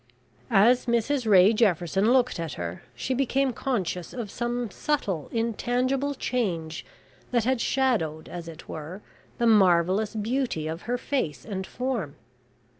As Mrs Ray Jefferson looked at her, she became conscious of some subtle intangible change that had shadowed, as it were, the marvellous beauty of her face and form.